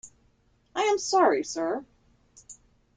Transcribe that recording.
I am sorry sir.